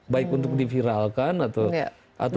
baik untuk diviralkan atau